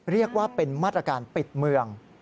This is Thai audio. เรียกว่าเป็นมาตรการปิดเมือง